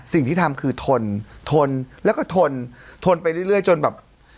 สิ่งที่ทำคือทนทนแล้วก็ทนทนไปเรื่อยจนแบบ